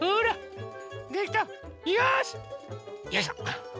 よいしょ！